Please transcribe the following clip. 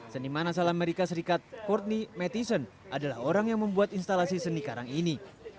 seniman asal amerika serikat courtney mattison adalah orang yang membuat instalasi seni karang ini